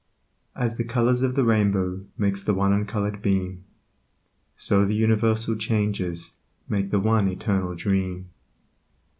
As the colors of the rainbow Makes the one uncolored beam, So the universal changes Make the One Eternal Dream.